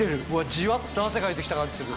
ジワっと汗かいてきた感じする。